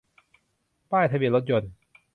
ป้ายทะเบียนรถยนต์